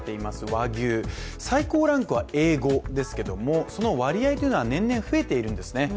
和牛最高ランクはＡ５ですけれどもその割合というのは年々増えているんですね。